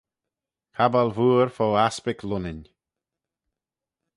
Cabbal vooar fo aspick Lunnin.